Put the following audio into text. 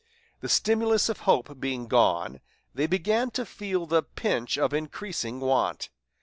The stimulus of hope being gone, they began to feel the pinch of increasing want.